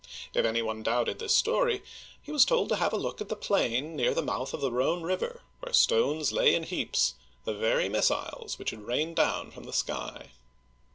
If any one doubted this story, he was told to look at the plain near the mouth of the Rhone River, where stones lay in heaps — the very missiles which had rained down from the sky